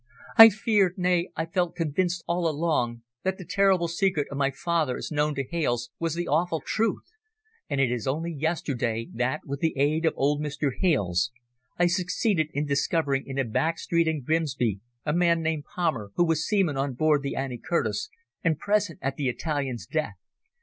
I feared, nay, I felt convinced all along, that the terrible secret of my father as known to Hales was the awful truth, and it is only yesterday that, with the aid of old Mr. Hales, I succeeded in discovering in a back street in Grimsby a man named Palmer, who was seaman on board the Annie Curtis and present at the Italian's death.